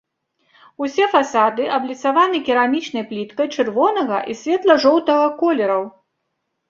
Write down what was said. Усе фасады абліцаваны керамічнай пліткай чырвонага і светла-жоўтага колераў.